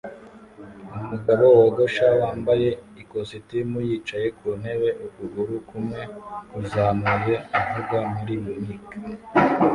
Umugabo wogosha wambaye ikositimu yicaye ku ntebe ukuguru kumwe kuzamuye avuga muri mic